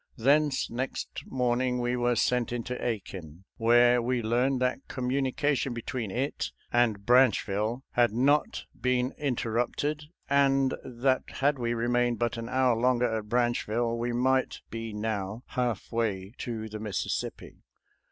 Thence, next morning, we were sent into Aiken, where we learned that communication between it and Branchville had not been interrupted and that ADVENTURES EN ROUTE TO TEXAS 283 had we remained but an hour longer at Branch ville we might be now half way to the Mis sissippi.